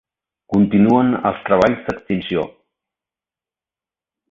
Continuen els treballs d'extinció.